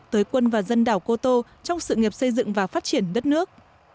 tới quân và dân đảo cô tô trong sự nghiệp xây dựng và phát triển đất nước